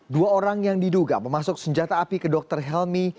dua orang yang diduga memasuk senjata api ke dr helmi